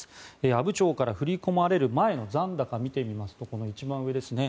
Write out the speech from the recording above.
阿武町から振り込まれる前の残高を見てみますと一番上ですね